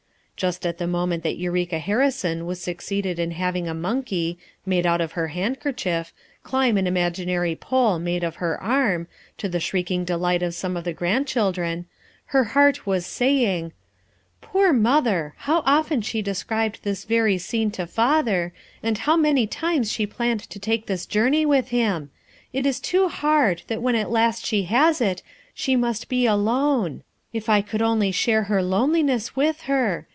Just at the moment that Eureka Harrison was succeeding in hav ing a monkey, made out of her liandkerchief, climb an imaginary pole made of her arm, to the shrieking delight of some of the grandchil dren, her heart was saying: "Poor Mother, how often she described this very scene to Father, and how many times she planned to tako this journey witli him! it is too hard that when at last she has it she must be alone. If I could only share her loneliness with her!